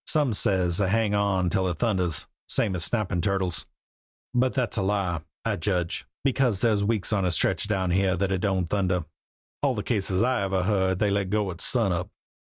Some says they hang on till it thunders, same as snappin' turtles. But that's a lie, I judge, because there's weeks on a stretch down here when it don't thunder. All the cases I ever heard of they let go at sunup."